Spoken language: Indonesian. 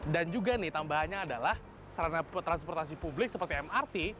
dan juga nih tambahannya adalah sarana transportasi publik seperti mrt